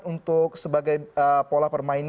untuk sebagai pola permainan